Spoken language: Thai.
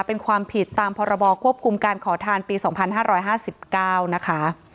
เป็นความผิดตามพรบควบคุมการขอทานปี๒๕๕๙นะคะ